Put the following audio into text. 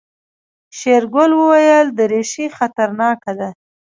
شېرګل وويل دريشي خطرناکه ده.